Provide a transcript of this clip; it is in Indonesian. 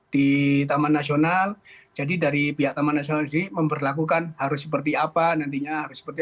di taman nasional jadi dari pihak taman nasional sendiri memperlakukan harus seperti apa nantinya harus seperti